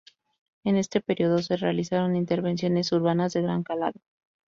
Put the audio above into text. En este periodo se realizaron intervenciones urbanas de gran calado.